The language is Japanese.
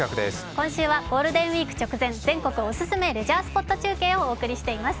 今週はゴールデンウイーク直前、全国オススメレジャースポットをお送りしています。